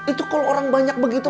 itu kalau orang banyak begitu